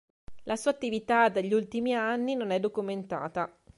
La sua attività degli ultimi anni non è documentata.